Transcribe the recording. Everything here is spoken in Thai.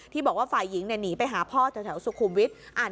บอกว่าฝ่ายหญิงหนีไปหาพ่อแถวสุขุมวิทย์